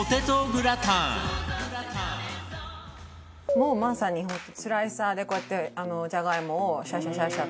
「もうまさに本当スライサーでこうやってじゃがいもをシャッシャシャッシャと」